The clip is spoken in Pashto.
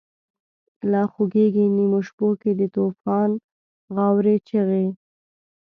لا خوریږی نیمو شپو کی، دتوفان غاوری چیغی